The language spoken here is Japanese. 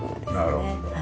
なるほど。